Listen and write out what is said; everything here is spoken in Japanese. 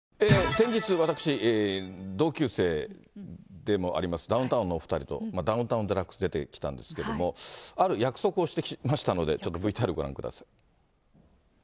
先日、私、同級生でもありますダウンタウンのお２人と、ダウンタウンＤＸ出てきたんですけれども、ある約束をしてきましたので、ちょっとＶＴＲご覧ください。